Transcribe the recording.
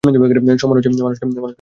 সম্মান হচ্ছে মানুষ তোমাকে নিয়ে যা ভাবে।